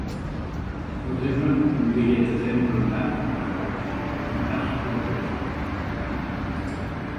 Reserva'm un bitllet de tren per anar a Masarac dimarts a les dotze.